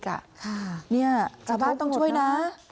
เนี่ยชาวบ้านต้องช่วยนะ